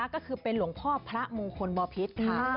ก็คือเป็นหลวงพ่อพระมงคลบพิษค่ะ